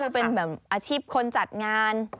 คือเป็นแบบอาชีพคนจัดงาน